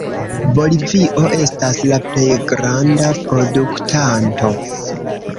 Bolivio estas la plej granda produktanto.